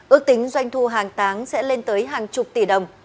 ước tính doanh thu hàng tháng sẽ lên tới hàng chục tỷ đồng